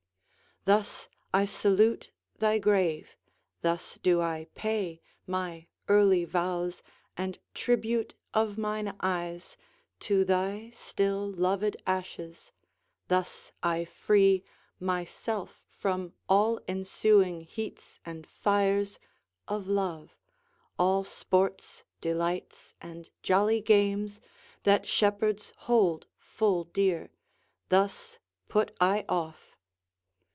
Thus I salute thy grave, thus do I pay My early vows, and tribute of mine eyes, To thy still loved ashes: thus I free Myself from all ensuing heats and fires Of love: all sports, delights, and jolly games, That shepherds hold full dear, thus put I off.